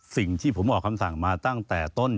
สิ่งที่ผมออกคำสั่งมาตั้งแต่ต้น